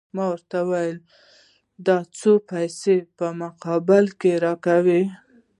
ما ورته وویل: د څو پیسو په مقابل کې يې راکوې؟